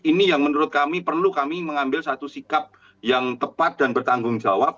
ini yang menurut kami perlu kami mengambil satu sikap yang tepat dan bertanggung jawab